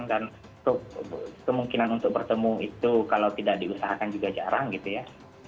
dan kemungkinan untuk bertemu itu kalau tidak diusahakan juga jarang gitu ya